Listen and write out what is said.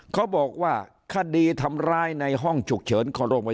เขาบอกว่าคดีทำลายในห้องฉุกเฉย